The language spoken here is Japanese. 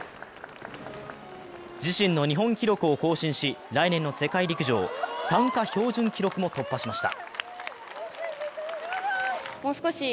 自身の日本記録を更新し、来年の世界陸上参加標準記録も突破しました。